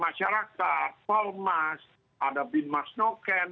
nah jadi salah satu reformasi yang terjadi adalah reformasi kesehatan